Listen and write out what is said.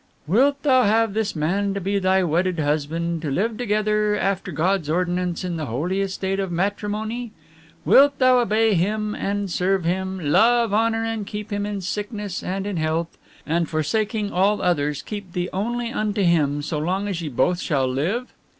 "Wilt thou have this man to be thy wedded husband to live together after God's ordinance in the holy estate of Matrimony? Wilt thou obey him and serve him, love, honour and keep him in sickness and in health; and forsaking all others keep thee only unto him, so long as ye both shall live?"